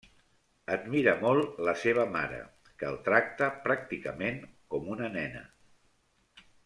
Admira molt la seva mare, que el tracta pràcticament com una nena.